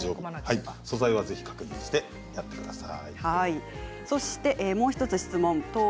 素材を確認してやってください。